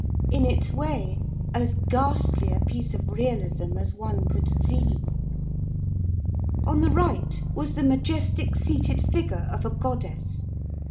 In its way, as ghastly a piece of realism as one could see. On the right was the majestic seated figure of a goddess.